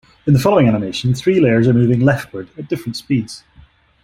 In the following animation, three layers are moving leftward at different speeds.